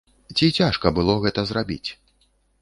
Ці цяжка было гэта зрабіць?